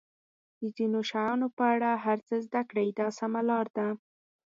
د ځینو شیانو په اړه هر څه زده کړئ دا سمه لار ده.